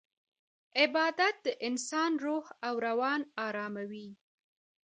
عبادت د انسان روح او روان اراموي.